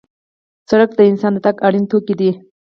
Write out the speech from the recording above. سړک د انسان د تګ اړین توکی دی.